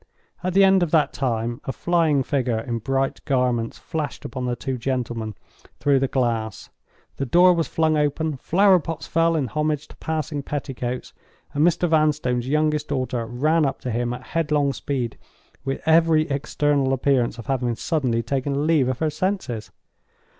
At the end of that time, a flying figure in bright garments flashed upon the two gentlemen through the glass—the door was flung open—flower pots fell in homage to passing petticoats—and Mr. Vanstone's youngest daughter ran up to him at headlong speed, with every external appearance of having suddenly taken leave of her senses.